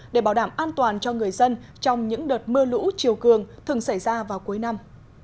để bảo đảm an toàn cho người dân trong những đợt mưa lũ chiều cường thường xảy ra vào cuối năm